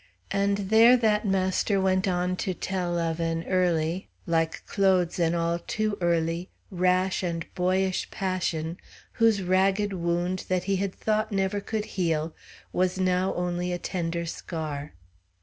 And there that master went on to tell of an early like Claude's, an all too early rash, and boyish passion, whose ragged wound, that he had thought never could heal, was now only a tender scar.